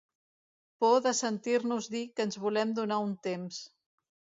Por de sentir-nos dir que ens volem donar un temps.